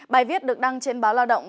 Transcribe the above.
bài viết được đăng trên báo lao động